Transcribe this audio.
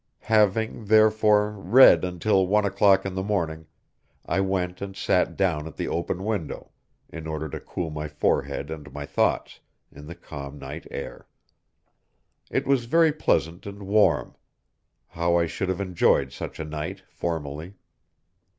Having, therefore, read until one o'clock in the morning, I went and sat down at the open window, in order to cool my forehead and my thoughts, in the calm night air. It was very pleasant and warm! How I should have enjoyed such a night formerly!